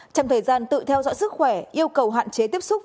trong thời gian tự theo dõi sức khỏe yêu cầu hạn chế tiếp xúc